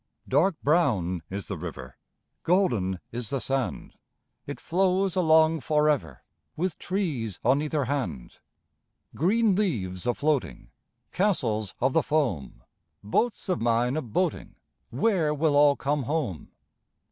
Dark brown is the river, Golden is the sand. It flows along for ever, With trees on either hand. Green leaves a floating, Castles of the foam, Boats of mine a boating— Where will all come home?